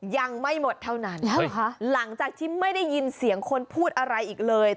ยังไม่หมดเท่านั้นหลังจากที่ไม่ได้ยินเสียงคนพูดอะไรอีกเลย